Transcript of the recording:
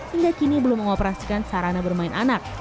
hingga kini belum mengoperasikan sarana bermain anak